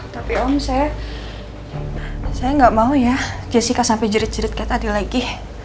tapi om saya saya gak mau ya jessica sampe jerit jerit kayak tadi lagi